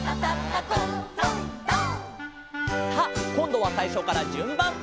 「」さあこんどはさいしょからじゅんばん。